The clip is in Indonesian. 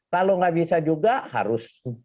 kalau gak bisa juga harus minum air putih